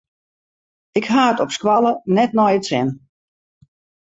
Ik ha it op skoalle net nei it sin.